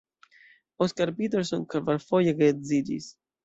Oscar Peterson kvarfoje geedziĝis.